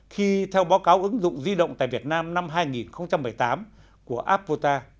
khi theo báo cáo ứng dụng di động tại việt nam năm hai nghìn một mươi tám của apota